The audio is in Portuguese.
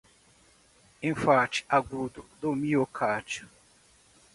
Enfarte Agudo do Miocárdio.